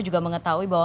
juga mengetahui bahwa